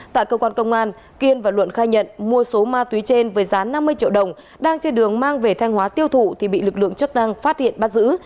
tại cơ quan công an kiên và luận khai nhận mua số ma túy trên với giá năm mươi triệu đồng đang trên đường mang về thanh hóa tiêu thụ thì bị lực lượng chức năng phát hiện bắt giữ